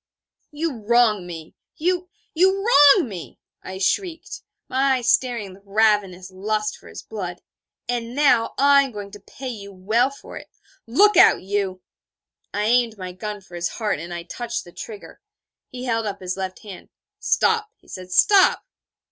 'You wrong me you, you wrong me!' I shrieked, my eyes staring with ravenous lust for his blood; 'and now I am going to pay you well for it. Look out, you!' I aimed my gun for his heart, and I touched the trigger. He held up his left hand. 'Stop,' he said, 'stop.'